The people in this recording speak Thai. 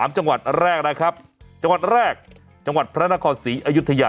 จังหวัดแรกนะครับจังหวัดแรกจังหวัดพระนครศรีอยุธยา